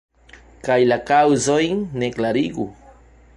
Kaj la kaŭzojn ne klarigu.